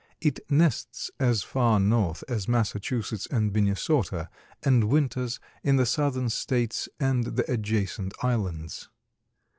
It nests as far north as Massachusetts and Minnesota and winters in the southern states and the adjacent islands.